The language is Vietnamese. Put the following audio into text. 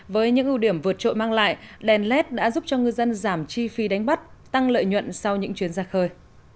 với những ưu điểm vượt trội mang lại đèn led đã giúp cho ngư dân giảm chi phí đánh bắt tăng lợi nhuận sau những chuyến ra khơi